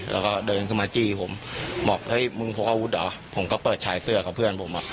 แล้วก็เดินขึ้นมาจี้ผมบอกเฮ้ยมึงพกอาวุธเหรอผมก็เปิดชายเสื้อกับเพื่อนผมอ่ะ